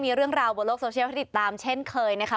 มีเรื่องราวบนโลกโซเชียลให้ติดตามเช่นเคยนะคะ